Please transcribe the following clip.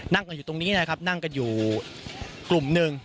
นั่งกันอยู่ตรงนี้นะครับนั่งกันอยู่กลุ่มหนึ่ง